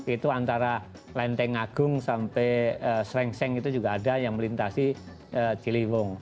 itu antara lenteng agung sampai serengseng itu juga ada yang melintasi ciliwung